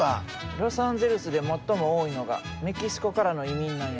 ロサンゼルスで最も多いのがメキシコからの移民なんやけど。